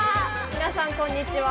みなさんこんにちは。